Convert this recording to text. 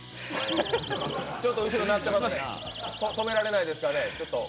ちょっと後ろ鳴ってますね止められないですかね、ちょっと。